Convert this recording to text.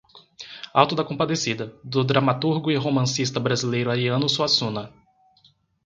Auto da Compadecida, do dramaturgo e romancista brasileiro Ariano Suassuna